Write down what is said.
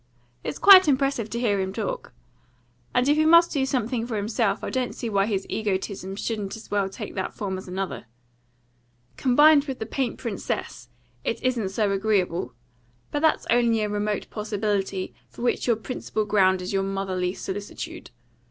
It's quite impressive to hear him talk. And if he must do something for himself, I don't see why his egotism shouldn't as well take that form as another. Combined with the paint princess, it isn't so agreeable; but that's only a remote possibility, for which your principal ground is your motherly solicitude.